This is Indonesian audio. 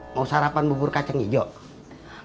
mau sarapan bubur kacang hijau